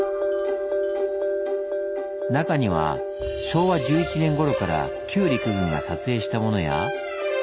中には昭和１１年ごろから旧陸軍が撮影したものや。